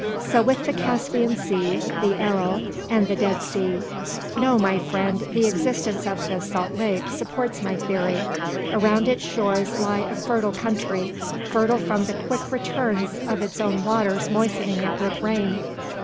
So with the Caspian Sea, the Aral, and the Dead Sea. No, my friend, the existence of the Salt Lake supports my theory. Around its shores lies a fertile country, fertile from the quick returns of its own waters moistening it with rain.